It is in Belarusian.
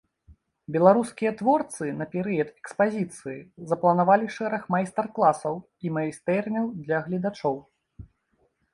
Беларускія творцы на перыяд экспазіцыі запланавалі шэраг майстар-класаў і майстэрняў для гледачоў.